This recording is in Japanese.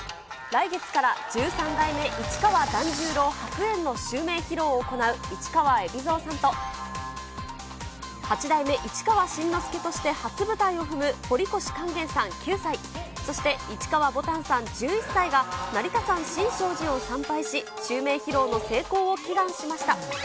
来月から、十三代目市川團十郎白猿の襲名披露を行う市川海老蔵さんと、八代目市川新之助として初舞台を踏む堀越勸玄さん９歳、そして市川ぼたんさん１１歳が、成田山新勝寺を参拝し、襲名披露の成功を祈願しました。